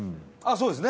そうですね